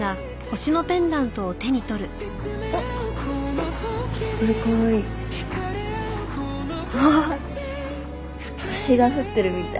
星が降ってるみたい。